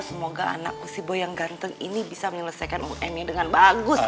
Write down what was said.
semoga anakku si boy yang ganteng ini bisa menyelesaikan un nya dengan bagus